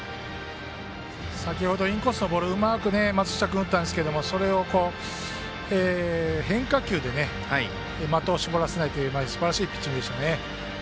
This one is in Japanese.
先ほどインコースのボールうまく松下君、打ったんですけどそれを変化球で的を絞らせないというすばらしいピッチングでしたね。